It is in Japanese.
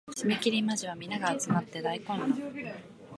締切間近皆が集って大混乱